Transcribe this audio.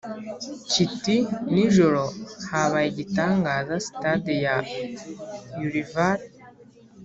kiti nijoro habaye igitangaza sitade ya ulleval